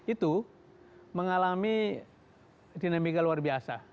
itu mengalami dinamika luar biasa